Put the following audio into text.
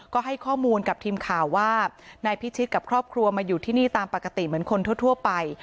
ก็ให้ข้อมูลกับทีมข่าวว่านายพิชิตกับครอบครัวมาอยู่ที่นี่ตามปกติเหมือนคนทั่วไป